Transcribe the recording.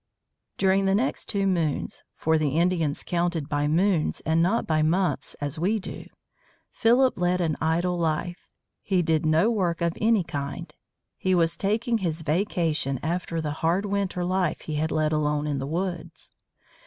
During the next two moons for the Indians counted by moons and not by months as we do Philip led an idle life. He did no work of any kind. He was taking his vacation after the hard winter life he had led alone in the woods.